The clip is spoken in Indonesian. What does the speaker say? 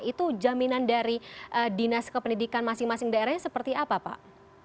itu jaminan dari dinas kependidikan masing masing daerahnya seperti apa pak